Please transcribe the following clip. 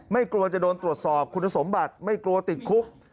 กลัวจะโดนตรวจสอบคุณสมบัติไม่กลัวติดคุก